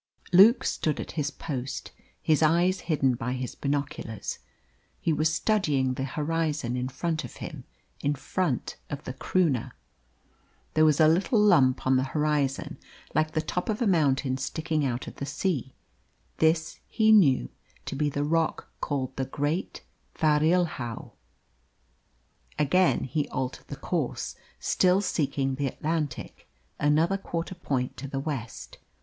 Luke stood at his post, his eyes hidden by his binoculars. He was studying the horizon in front of him in front of the Croonah. There was a little lump on the horizon, like the top of a mountain sticking out of the sea; this he knew to be the rock called the Great Farilhao. Again he altered the course, still seeking the Atlantic, another quarter point to the west.